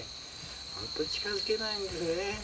本当に近づけないんですね。